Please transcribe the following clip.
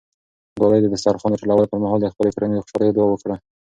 ګلالۍ د دسترخوان د ټولولو پر مهال د خپلې کورنۍ د خوشحالۍ دعا وکړه.